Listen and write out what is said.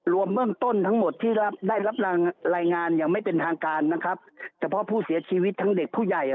รวมเบื้องต้นทั้งหมดที่ได้รับรายงานอย่างไม่เป็นทางการนะครับเฉพาะผู้เสียชีวิตทั้งเด็กผู้ใหญ่อ่ะ